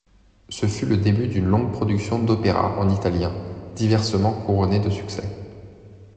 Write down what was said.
Ce fut le début d'une longue production d'opéras en italien, diversement couronnés de succès.